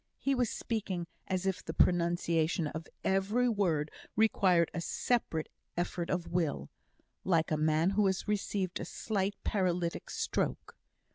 (He was speaking as if the pronunciation of every word required a separate effort of will, like a man who has received a slight paralytic stroke.)